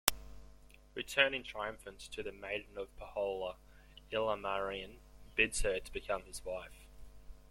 Returning triumphant to the Maiden of Pohjola, Ilmarinen bids her to become his wife.